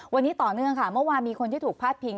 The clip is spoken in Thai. วันนี้ต่อเนื่องค่ะเมื่อวานมีคนที่ถูกพาดพิง